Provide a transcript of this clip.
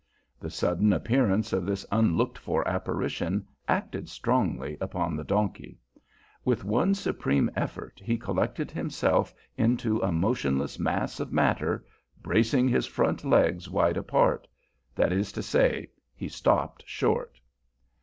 The sudden appearance of this unlooked for apparition acted strongly upon the donkey. With one supreme effort he collected himself into a motionless mass of matter, bracing his front legs wide apart; that is to say, he stopped short.